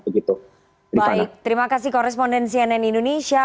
baik terima kasih koresponden cnn indonesia